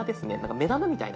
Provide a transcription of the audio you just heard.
目玉みたいな。